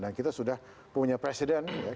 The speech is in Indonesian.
dan kita sudah punya presiden ya